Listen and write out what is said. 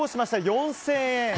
４０００円。